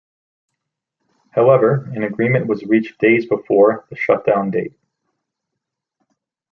However, an agreement was reached days before the shutdown date.